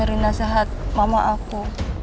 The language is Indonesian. dengar nasihat mama aku